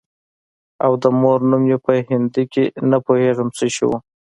او د مور نوم يې په هندي کښې نه پوهېږم څه شى و.